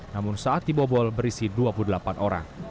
namun saat dibobol berisi kemampuan